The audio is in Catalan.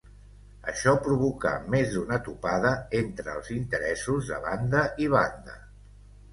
Això provocà més d'una topada entre els interessos de banda i banda.